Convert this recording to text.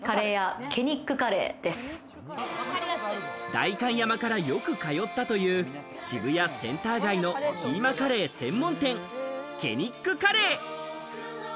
代官山からよく通ったという渋谷センター街のキーマカレー専門店、ケニックカレー。